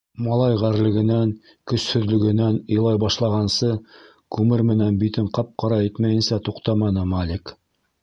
Малай ғәрлегенән, көсһөҙлөгөнән илай башлағансы, күмер менән битен ҡап-ҡара итмәйенсә туҡтаманы Малик...